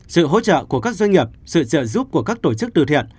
sự hỗ trợ của các doanh nghiệp sự trợ giúp của các tổ chức từ thiện